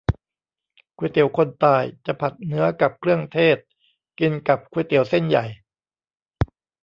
ก๋วยเตี๋ยวคนตาย จะผัดเนื้อกับเครื่องเทศ กินกับก๋วยเตี๋ยวเส้นใหญ่